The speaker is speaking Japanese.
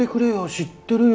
知ってるよ。